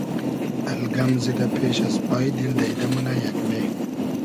الگئم زیدۂ پېش از پای دیل دݷدۂ مونۂ یېگمې